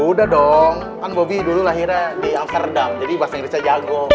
udah dong kan bobi dulu lahirnya di afterdam jadi bahasa inggrisnya jago